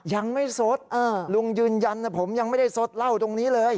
ยังไม่สดลุงยืนยันนะผมยังไม่ได้สดเหล้าตรงนี้เลย